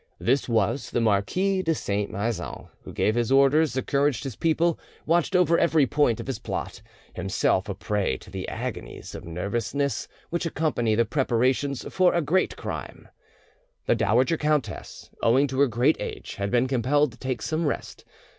This was the Marquis de Saint Maixent, who gave his orders, encouraged his people, watched over every point of his plot, himself a prey to the agonies of nervousness which accompany the preparations for a great crime. The dowager countess, owing to her great age, had been compelled to take some rest.